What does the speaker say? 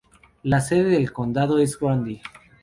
La sede de condado es Grundy.